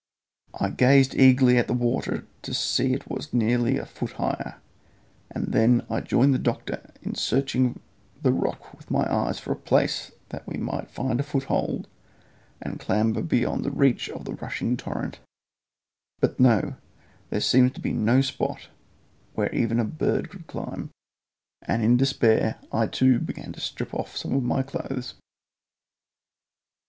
I gazed eagerly at the water, to see that it was nearly a foot higher, and then I joined the doctor in searching the rock with my eyes for a place where we might find foothold and clamber beyond the reach of the rushing torrent; but no, there seemed no spot where even a bird could climb, and in despair I too began to strip off some of my clothes.